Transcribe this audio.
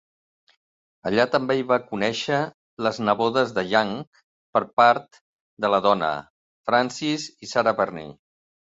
Allà també hi va conèixer les nebodes de Young per part de la dona, Frances i Sarah Burney.